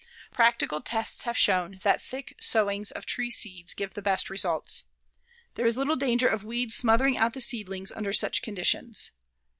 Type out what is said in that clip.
Practical tests have shown that thick sowings of tree seeds give the best results. There is little danger of weeds smothering out the seedlings under such conditions.